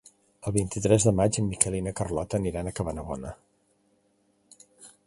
El vint-i-tres de maig en Miquel i na Carlota aniran a Cabanabona.